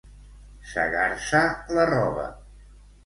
Segar-se la roba.